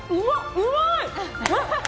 うまい！